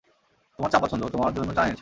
তোমার চা পছন্দ, তোমার জন্য চা এনেছি।